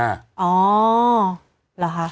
อ๋อหรือคะ